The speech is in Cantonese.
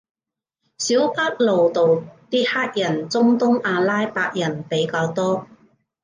小北路度啲黑人中東阿拉伯人比較多